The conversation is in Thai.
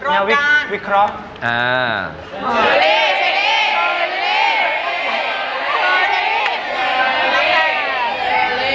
เชอร์รี่เชอร์รี่เชอร์รี่